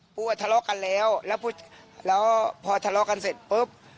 ว่าทะเลาะกันแล้วแล้วพอทะเลาะกันเสร็จปุ๊บ